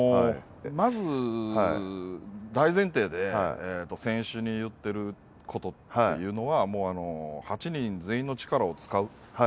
まず、大前提で選手に言ってることというのは８人全員の力を使う。